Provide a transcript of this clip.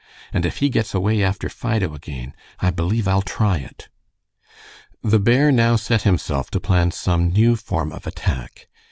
And if he gets away after Fido again, I believe I'll try it." The bear now set himself to plan some new form of attack.